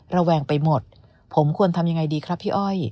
ระแวงไปหมดผมควรทำยังไงดีครับพี่อ้อย